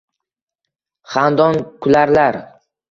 Xandon kularlar.